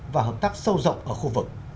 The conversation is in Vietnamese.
và hợp tác sâu rộng ở khu vực